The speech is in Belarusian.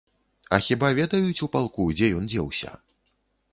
А хіба ведаюць у палку, дзе ён дзеўся?